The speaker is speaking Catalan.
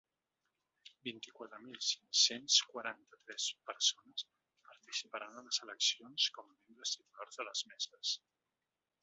Vint-i-quatre mil cinc-cents quaranta-tres persones participaran en les eleccions com membres titulars de les meses.